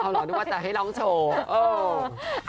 เหรอนึกว่าจะให้ร้องโชว์